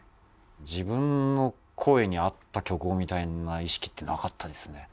自分の声に合った曲をみたいな意識ってなかったですね。